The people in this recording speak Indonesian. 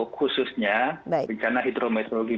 khususnya bencana hidrometeorologi